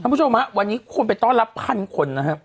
ผู้ชมฮะวันนี้คนไปต้อนรับพันคนนะครับ